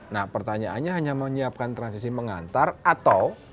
nah pertanyaannya hanya menyiapkan transisi mengantar atau